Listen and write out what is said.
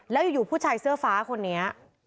แล้วอยู่ผู้ชายเสื้อฟ้าคนนี้